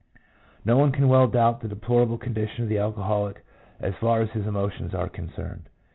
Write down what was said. No one can well doubt the deplorable condition of the alcoholic as far as his emotions are concerned.